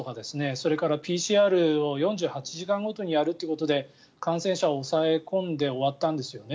それからＰＣＲを４８時間ごとにやるということで感染者を抑え込んで終わったんですよね。